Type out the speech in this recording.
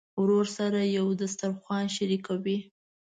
ورور سره یو دسترخوان شریک وي.